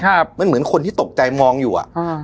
ครับมันเหมือนคนที่ตกใจมองอยู่อ่ะอืม